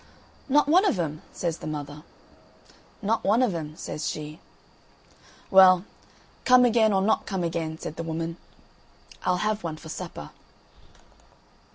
"Not one of 'em?" says the mother. "Not one of 'em," says she. "Well, come again, or not come again," said the woman "I'll have one for supper."